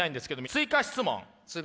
追加質問？